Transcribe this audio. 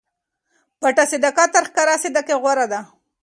پټه صدقه تر ښکاره صدقې غوره ده.